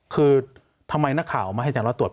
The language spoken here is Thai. คือทำไมนักข่าวมาให้จาร้อตรวจ